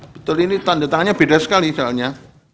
betul ini tandatangannya beda sekali soalnya